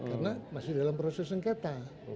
karena masih dalam proses sengketa